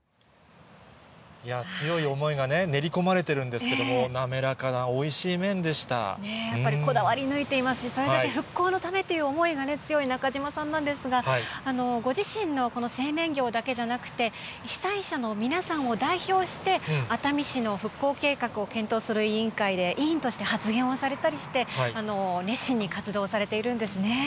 強い思いが練り込まれてるんですけども、やっぱりこだわり抜いていますし、それだけ復興のためという思いが強い中島さんなんですが、ご自身のこの製麺業だけじゃなくて、被災者の皆さんを代表して、熱海市の復興計画を検討する委員会で委員として発言をされたりして、熱心に活動されているんですね。